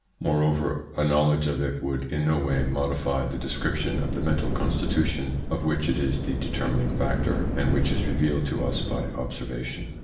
Moreover, a knowledge of it would in no way modify the description of the mental con stitution of which it is the determining factor and which is revealed to us by observation.